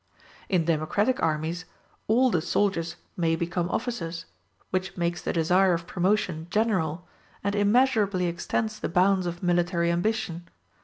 In democratic armies all the soldiers may become officers, which makes the desire of promotion general, and immeasurably extends the bounds of military ambition.